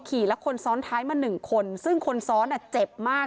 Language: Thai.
ขี่และคนซ้อนท้ายมาหนึ่งคนซึ่งคนซ้อนเจ็บมาก